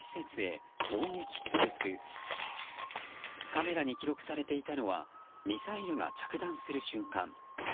カメラに記録されていたのはミサイルが着弾する瞬間。